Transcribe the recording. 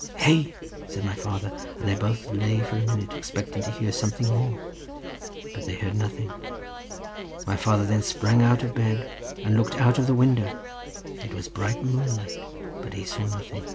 "Hey!" said my father, and they both lay for a minute, expecting to hear something more, but they heard nothing. My father then sprang out of bed, and looked out of the window; it was bright moonlight, but he saw nothing.